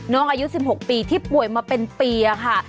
อายุ๑๖ปีที่ป่วยมาเป็นปีค่ะ